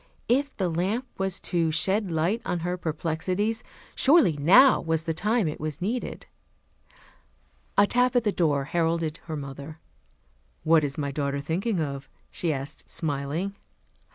If the lamp was to shed light on her perplexities, surely now was the time it was needed. A tap at the door heralded her mother. "What is my daughter thinking of?" she asked, smiling.